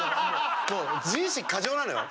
もう自意識過剰なのよ。